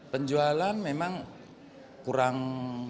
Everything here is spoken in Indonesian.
penjualan memang kurang